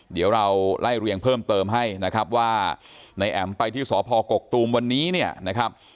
เดี๋ยวเราไล่เรียงเพิ่มเติมให้นะครับว่านายแอ๋มไปที่สพกกตูมวันนี้เนี่ยนะครับ